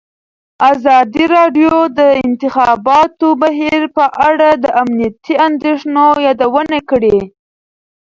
ازادي راډیو د د انتخاباتو بهیر په اړه د امنیتي اندېښنو یادونه کړې.